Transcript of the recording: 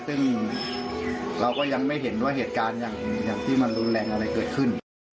ซึ่งเราก็ยังไม่เห็นว่าเหตุการณ์อย่างที่มันรุนแรงอะไรเกิดขึ้น